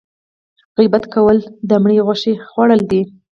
غیبت کول د مړي غوښه خوړل دي